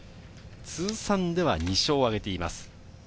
通算では２勝を挙げています。